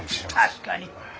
確かに。